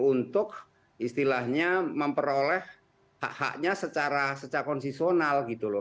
untuk istilahnya memperoleh hak haknya secara konsesional gitu loh